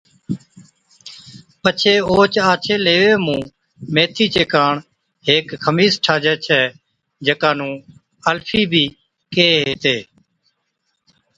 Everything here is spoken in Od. پڇي اوھچ آڇي ليوي مُون ميٿِي چي ڪاڻ ھيڪ خمِيس ٺاھجَي ڇَي جڪا نُون کفنِي/ الفِي بِي ڪيھي ھِتي